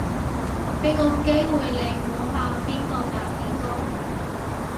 俾個機會你估下邊個打邊個